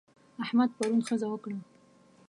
احمد پرون ښځه وکړه.